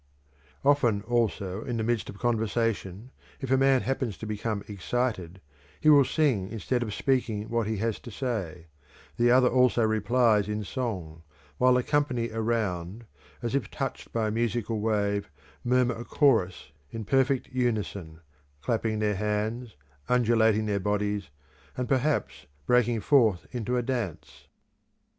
Often also in the midst of conversation, if a man happens to become excited, he will sing instead of speaking what he has to say; the other also replies in song, while the company around, as if touched by a musical wave, murmur a chorus in perfect unison, clapping their hands, undulating their bodies, and perhaps breaking forth into a dance.